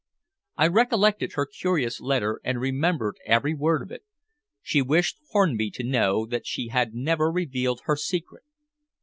I recollected her curious letter and remembered every word of it. She wished Hornby to know that she had never revealed her secret.